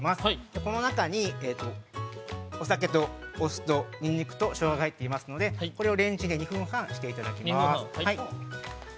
この中に、お酒とお酢と、ニンニクとショウガが入っていますのでこれをレンジで２分半していただきます。